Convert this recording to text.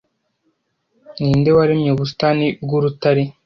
Ninde waremye ubusitani bwurutare